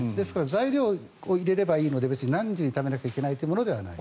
材料を入れればいいので何時に食べなければいけないというものはない。